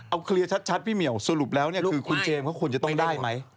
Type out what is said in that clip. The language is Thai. เอาเคลียร์ชัดพี่เหมียวสรุปแล้วเนี่ยคือคุณเจมส์เขาควรจะต้องได้ไหม